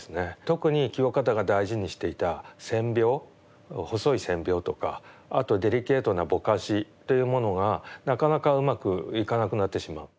特に清方が大事にしていた線描細い線描とかあとデリケートなぼかしというものがなかなかうまくいかなくなってしまう。